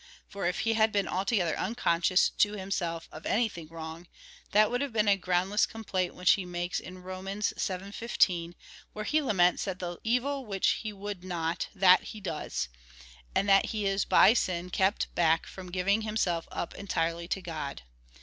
For if he had been altogether unconscious to himself of anything wrong,2 that would have been a groundless complaint which he makes in Rom. vii. 15, where he laments that the evil which he would not, that he does, and that he is by sin kept back from giving himself up entirely to God.